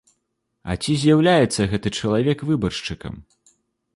А ці з'яўляецца гэты чалавек выбаршчыкам?